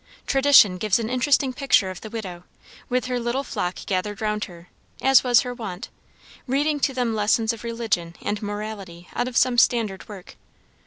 Tradition gives an interesting picture of the widow, with her little flock gathered round her, as was her wont, reading to them lessons of religion and morality out of some standard work.